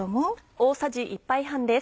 大さじ１杯半です。